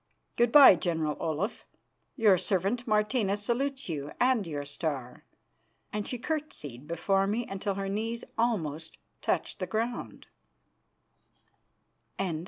Good bye, General Olaf. Your servant Martina salutes you and your star," and she curtsied before me until her knees almost touched the ground.